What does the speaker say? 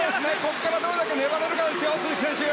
ここからどれだけ粘れるか、鈴木選手。